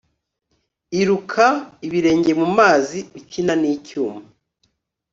iruka, ibirenge mumazi, ukina nicyuma